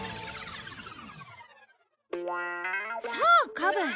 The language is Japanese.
さあカブ。